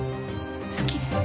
好きです。